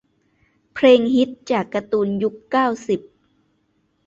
เพลงฮิต จากการ์ตูนยุค เก้าสิบ